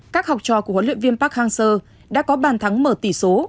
các học trò của huấn luyện viên park hang seo đã có bàn thắng mở tỷ số